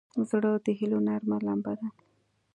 زړه د هيلو نرمه لمبه ده.